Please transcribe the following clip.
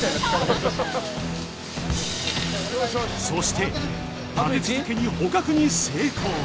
そして立て続けに捕獲に成功！